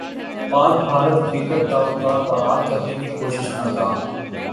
پاک بھارت کرکٹ تعلقات بحال کرنے کی کوشش ناکام